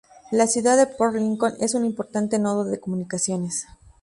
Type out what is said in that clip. La ciudad de Port Lincoln, es un importante nodo de comunicaciones.